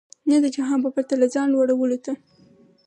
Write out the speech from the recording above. نه د جهان په پرتله ځان لوړولو ته.